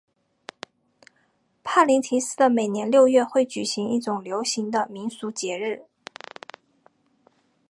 帕林廷斯的每年六月会举行一种流行的民俗节日。